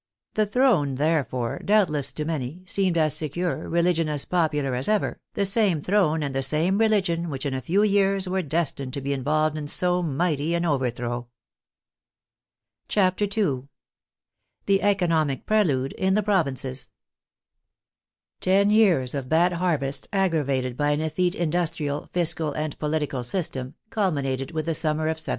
The throne, therefore, doubtless to many, seemed as secure, religion as popular, as ever, the same throne and the same religion which in a few years were destined to be involved in so mighty an overthrow^ CHAPTER II THE ECONOMIC PRELUDE IN THE PROVINCES Ten years of bad harvests, aggravated by an effete in dustrial, fiscal, and political system, culminated with the summer of 1788.